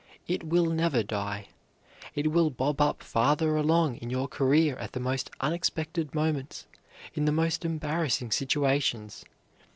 It will never die. It will bob up farther along in your career at the most unexpected moments, in the most embarrassing situations.